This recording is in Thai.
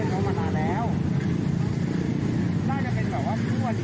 น่าจะเป็นแบบว่าคุณก่อนดีสู้กับเพื่อนเขามากกว่า